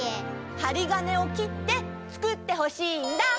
はりがねをきってつくってほしいんだ！